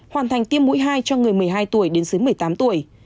hoàn thành tiêm mũi hai cho người một mươi hai tuổi đến dưới một mươi tám tuổi